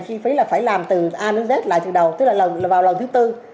chi phí là phải làm từ a đến z lại từ đầu tức là vào lần thứ tư